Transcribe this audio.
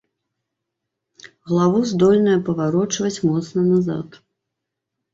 Галаву здольная паварочваць моцна назад.